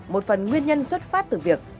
một phần nguyên nhân xuất phát từ việc